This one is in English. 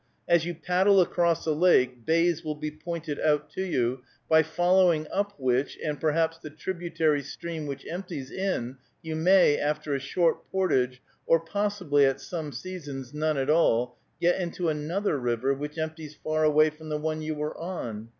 As you paddle across a lake, bays will be pointed out to you, by following up which, and perhaps the tributary stream which empties in, you may, after a short portage, or possibly, at some seasons, none at all, get into another river, which empties far away from the one you are on.